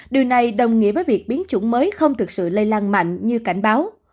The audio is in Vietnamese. điều này đồng nghĩa với việc biến chủng mới không thực sự lây lan mạnh như cảnh báo